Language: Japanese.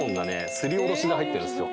すりおろしで入ってるんですよ